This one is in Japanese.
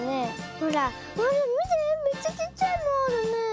ほらみてめっちゃちっちゃいのあるね。